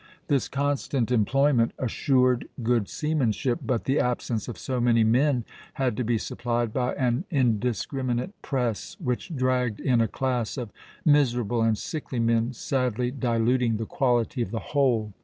This constant employment assured good seamanship, but the absence of so many men had to be supplied by an indiscriminate press, which dragged in a class of miserable and sickly men, sadly diluting the quality of the whole.